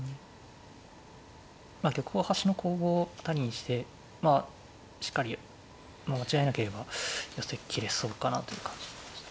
玉を端の攻防を対してまあしっかり間違えなければ寄せきれそうかなという感じでした。